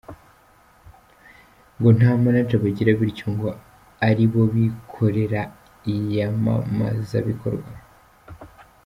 ngo nta manager bagira bityo ngo ari bo bikorera iyamamazabikorwa.